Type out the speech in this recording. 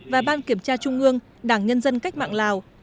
và ban kiểm tra trung ương đảng nhân dân cách mạng lào